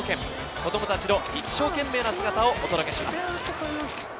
子供たちの一生懸命な姿をお届けします。